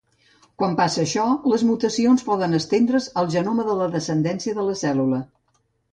Quan passa això, les mutacions poden estendre's al genoma de la descendència de la cèl·lula.